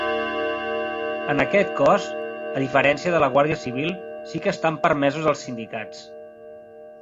En aquest cos, a diferència de la Guàrdia Civil, sí que estan permesos els sindicats.